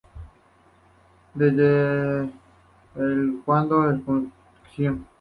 La sede del condado es Junction.